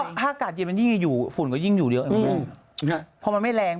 ๑๓๑๔๑๕อ่าอากาศดีเลยมันจะสดชื่น